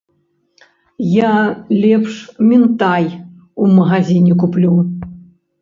Я лепш мінтай ў магазіне куплю.